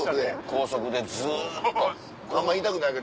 高速でずっと。